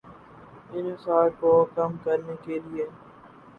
انحصار کو کم کرنے کے لیے